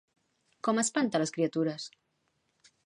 Com espanta les criatures?